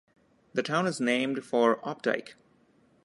The town is named for Opdyke.